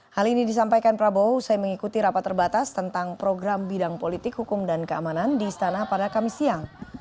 hal ini disampaikan prabowo usai mengikuti rapat terbatas tentang program bidang politik hukum dan keamanan di istana pada kamis siang